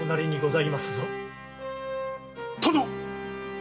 殿！